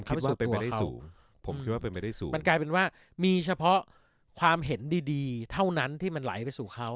คิดว่าเป็นไปได้สูงผมคิดว่าเป็นไปได้สูงมันกลายเป็นว่ามีเฉพาะความเห็นดีดีเท่านั้นที่มันไหลไปสู่เขา